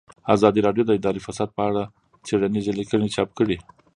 ازادي راډیو د اداري فساد په اړه څېړنیزې لیکنې چاپ کړي.